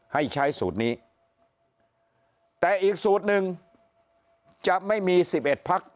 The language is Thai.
ให้ใช้สูตรนี้แต่อีกสูตรหนึ่งจะไม่มี๑๑พัก